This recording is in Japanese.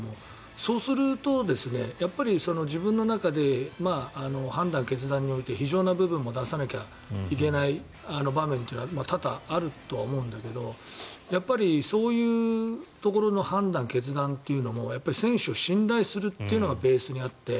そうすると、自分の中で判断、決断において非情な部分も出さなきゃいけない場面というのは多々、あるとは思うんだけどそういうところの判断、決断というのも選手を信頼するというのがベースにあって。